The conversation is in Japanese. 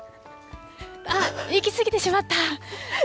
あっ、行き過ぎてしまった。